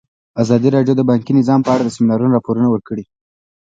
ازادي راډیو د بانکي نظام په اړه د سیمینارونو راپورونه ورکړي.